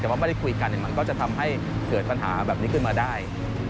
แต่ว่าไม่ได้คุยกันมันก็จะทำให้เกิดปัญหาแบบนี้ขึ้นมาได้